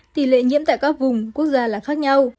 tỷ lệ nhiễm tại các vùng quốc gia là khác nhau